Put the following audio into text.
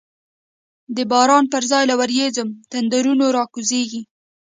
د باران پر ځای له وریځو، تندرونه راکوزیږی